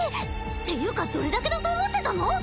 ていうかどれだけだと思ってたの？